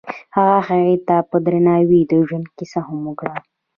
هغه هغې ته په درناوي د ژوند کیسه هم وکړه.